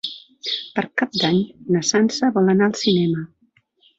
Per Cap d'Any na Sança vol anar al cinema.